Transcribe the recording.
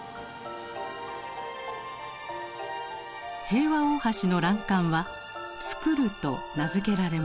平和大橋の欄干は「つくる」と名付けられました。